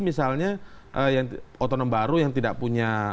misalnya otonom baru yang tidak punya